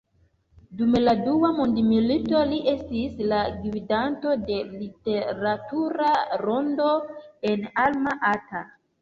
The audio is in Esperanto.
Dum la dua mondmilito li estis la gvidanto de literatura rondo en Alma Ata.